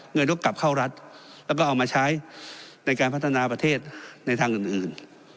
เงินก็กลับเข้ารัฐแล้วก็เอามาใช้ในการพัฒนาประเทศในทางอื่น